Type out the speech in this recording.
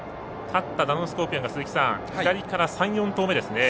勝ったダノンスコーピオンが左から３４頭目ですね。